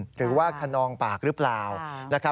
หรือว่าคนนองปากหรือเปล่า